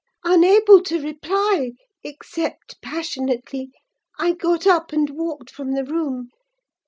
Unable to reply, except passionately, I got up and walked from the room.